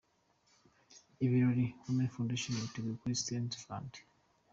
Ibirori Women Foundation yateguye kuri St Valentin.